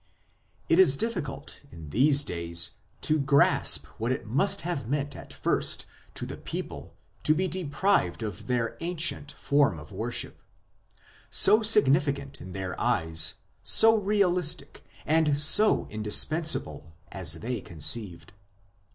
It is difficult in these days to grasp what it must have meant at first to the people to be deprived of their ancient form of worship so significant in their eyes, so realistic, and so indispensable, as they conceived.